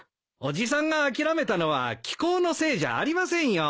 伯父さんが諦めたのは気候のせいじゃありませんよ。